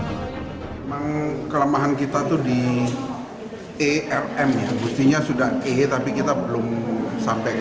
sakit yang terlalu lama sementara di rute rsud muhammad suwandi pilih daniel mesaf mengakui rumah sakit belum menggunakan sistem elektronik